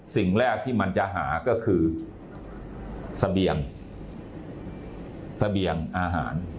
สิ่งแรกที่มันจะหาก็คือเสบียงเสบียงอาหาร